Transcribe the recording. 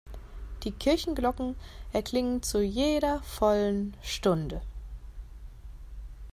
Die Kirchenglocken erklingen zu jeder vollen Stunde.